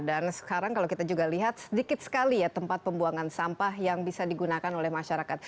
dan sekarang kalau kita juga lihat sedikit sekali tempat pembuangan sampah yang bisa digunakan oleh masyarakat